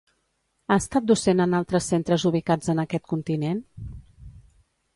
Ha estat docent en altres centres ubicats en aquest continent?